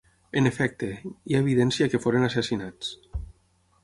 En efecte, hi ha evidència que foren assassinats.